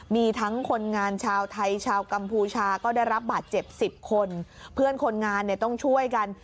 มีทั้งคนงานชาวไทยชาวกัมพูชาก็ได้รับบาดเจ็บสิบคนเพื่อนคนงานเนี่ยต้องช่วยกัน